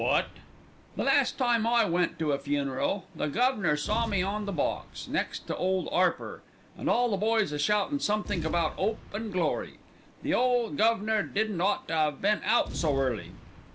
"A what?" "The last time I went to a funeral the guv'nor saw me on the box, next to Ole 'Arper, and all the boys a shoutin' somethink about 'Ope and Glory. The ole guv'nor didn't ought to 'ave been out so early.